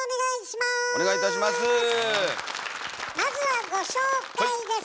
まずはご紹介です。